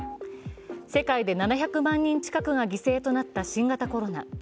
世界で７００万人近くが犠牲となった新型コロナ。